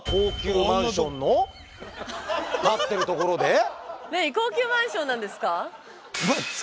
今だって何高級マンションなんですか？